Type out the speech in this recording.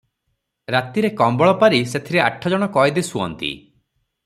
ରାତିରେ କମ୍ବଳ ପାରି ସେଥିରେ ଆଠଜଣ କଏଦୀ ଶୁଅନ୍ତି ।